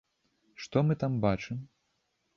Што мы там бачым?